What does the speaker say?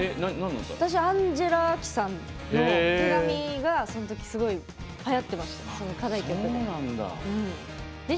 私、アンジェラ・アキさんの「手紙」がその時、すごくはやってました、課題曲で。